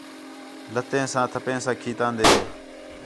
لتے سمان، تھہین ساں کھیتاندے